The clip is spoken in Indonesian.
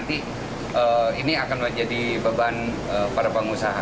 nanti ini akan menjadi beban para pengusaha